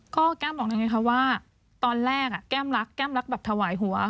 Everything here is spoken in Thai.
ก็แก้มบอกได้ไงคะว่าตอนแรกแก้มรักแก้มรักแบบถวายหัว